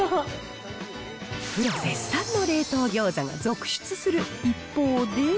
プロ絶賛の冷凍餃子が続出する一方で。